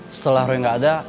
setelah roy gak ada